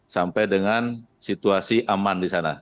sampai dengan situasi aman disana